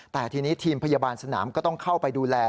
แต่ทีนี้ทีมพยาบาลสนามก็ต้องเข้าไปดูแล